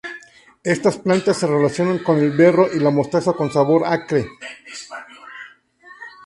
Estas plantas se relacionan con el berro y la mostaza con sabor acre.